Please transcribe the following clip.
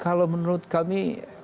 kalau menurut kami